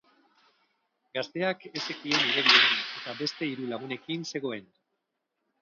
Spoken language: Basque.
Gazteak ez zekien igerian eta beste hiru lagunekin zegoen.